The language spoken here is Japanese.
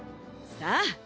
さあ！